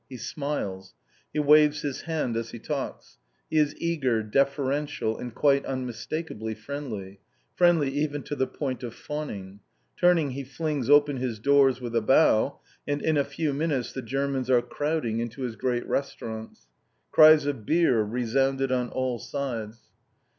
He smiles. He waves his hand as he talks. He is eager, deferential, and quite unmistakably friendly, friendly even to the point of fawning. Turning, he flings open his doors with a bow, and in a few minutes the Germans are crowding into his great restaurants. Cries of "Bier" resounded on all sides.